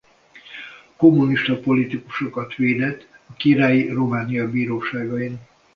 Kommunista politikusokat védett a királyi Románia bíróságain.